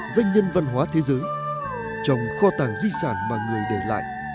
danh nhân văn hóa thế giới trong kho tàng di sản mà người để lại